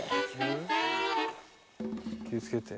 気を付けて。